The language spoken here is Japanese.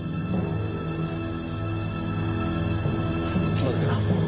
どうですか？